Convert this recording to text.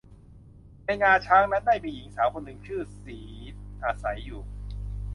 ในงาช้างนั้นได้มีหญิงสาวคนหนึ่งชื่อสีดอาศัยอยู่